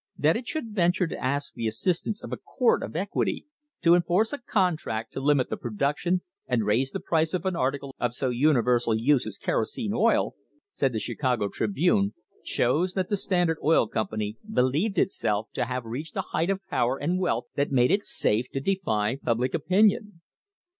"That it should venture to ask the assistance of a court of equity to enforce a contract to limit the production and raise the price of an article of so universal use as kerosene oil," said the Chicago Tribune, "shows that the Standard Oil Company believed itself to have reached a height of power and wealth that made it safe to defy public opinion."